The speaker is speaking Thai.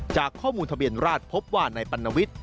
จากข้อมูลทะเบียนราชพบว่านายปัณวิทย์